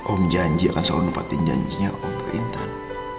om janji akan selalu nepatin janjinya om pak intan